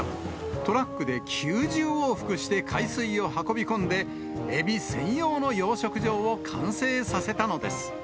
トラックで９０往復して海水を運び込んで、エビ専用の養殖場を完成させたのです。